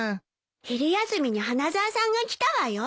昼休みに花沢さんが来たわよ。